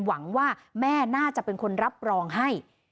หวังว่าแม่น่าจะเป็นคนรับรองให้